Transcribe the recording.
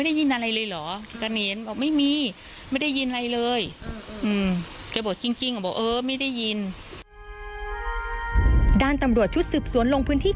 ด้านตำรวจชุดสุดสวนลงพื้นที่